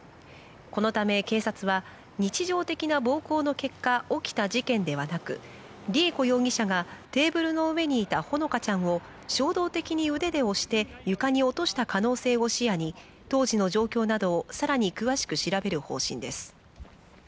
このため警察は日常的な暴行の結果起きた事件ではなく、りゑ子容疑者がテーブルの上にいたほのかちゃんを衝動的に腕で押して床に落とした可能性を視野に、当時の状況などをさらに詳しく調べる方針です。